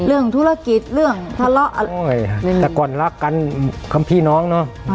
เรื่องธุรกิจเรื่องทะเลาะอะไรแต่ก่อนรักกันคำพี่น้องเนอะ